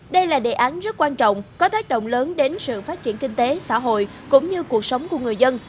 đây là đề án rất quan trọng có tác động lớn đến sự phát triển kinh tế xã hội cũng như cuộc sống của người dân